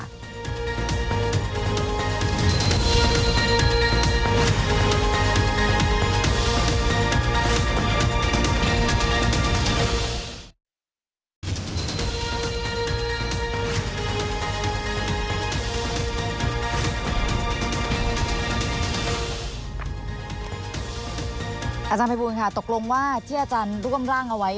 อาจารย์ภัยบูลค่ะตกลงว่าที่อาจารย์ร่วมร่างเอาไว้